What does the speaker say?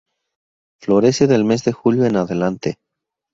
Florece del mes de julio en adelante.